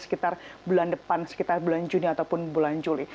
sekitar bulan depan sekitar bulan juni ataupun bulan juli